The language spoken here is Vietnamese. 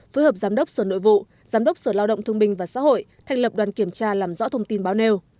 phối hợp giám đốc sở nội vụ giám đốc sở lao động thương binh và xã hội thành lập đoàn kiểm tra làm rõ thông tin báo nêu